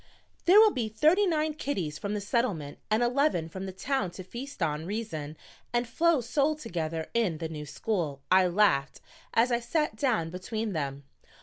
"There will be thirty nine kiddies from the Settlement and eleven from the Town to feast on reason and flow soul together in the new school," I laughed, as I sat down between them.